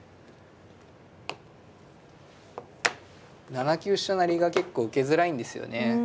７九飛車成が結構受けづらいんですよね。